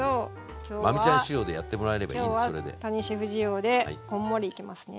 今日は谷シェフ仕様でこんもりいきますね。